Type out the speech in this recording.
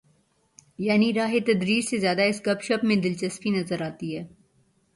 یعنی راہ تدریس سے زیادہ اس گپ شپ میں دلچسپی نظر آتی ہے۔